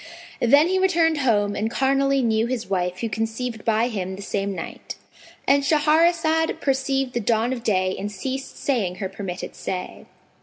Then he returned home and carnally knew his wife who conceived by him the same night.—And Shahrazad perceived the dawn of day and ceased saying her permitted say.